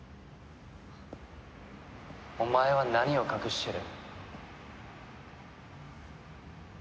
お前は何を隠してる？